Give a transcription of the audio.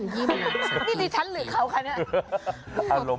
นี่สิชั้นหรือเขาคะเนี่ย